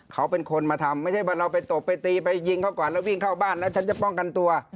เขาเป็นคนมาทำไม่ใช่ว่าเราไปตบไปตีไปยิงเขาก่อนแล้ววิ่งเข้าบ้านแล้วฉันจะป้องกันตัว